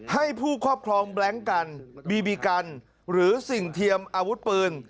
ให้ผู้ครอบครองแบล็งกันบีบีกันหรือสิ่งเทียมอาวุธปืน